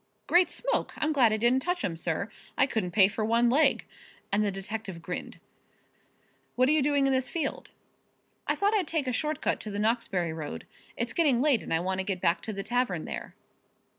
"Great smoke! I'm glad I didn't touch 'em, sir. I couldn't pay for one leg," and the detective grinned. "What are you doing in this field?" "I thought I'd take a short cut to the Knoxbury road. It's getting late and I want to get back to the tavern there."